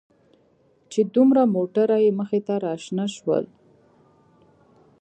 چې دوه موټره يې مخې ته راشنه شول.